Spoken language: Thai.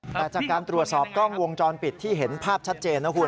แต่จากการตรวจสอบกล้องวงจรปิดที่เห็นภาพชัดเจนนะคุณ